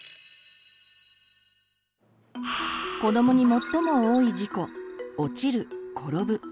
子どもに最も多い事故「落ちる」「転ぶ」。